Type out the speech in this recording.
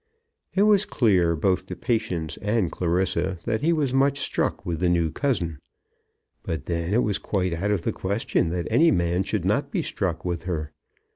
It was clear, both to Patience and Clarissa, that he was much struck with the new cousin; but then it was quite out of the question that any man should not be struck with her.